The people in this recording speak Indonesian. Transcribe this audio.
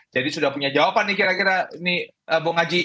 jadi sudah punya jawaban nih kira kira nih bung haji